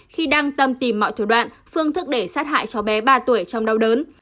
khi đăng tâm tìm mọi thủ đoạn phương thức để sát hại cho bé ba tuổi trong đau đớn